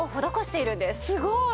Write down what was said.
すごい。